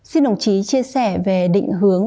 xin đồng chí chia sẻ về định hướng